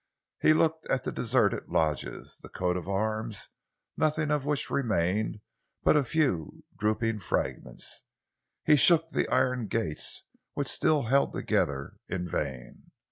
He looked at the deserted lodges, the coat of arms, nothing of which remained but a few drooping fragments. He shook the iron gates, which still held together, in vain.